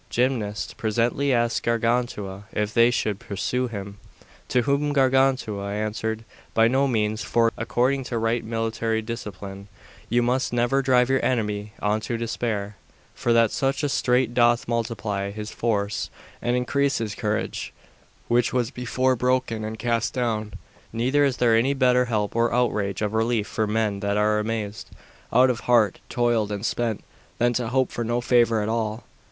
Gymnast presently asked Gargantua if they should pursue them. To whom Gargantua answered, By no means; for, according to right military discipline, you must never drive your enemy unto despair, for that such a strait doth multiply his force and increase his courage, which was before broken and cast down; neither is there any better help or outrage of relief for men that are amazed, out of heart, toiled, and spent, than to hope for no favour at all.